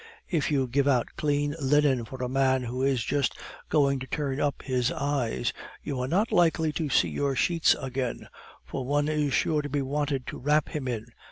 If you give out clean linen for a man who is just going to turn up his eyes, you are not likely to see your sheets again, for one is sure to be wanted to wrap him in.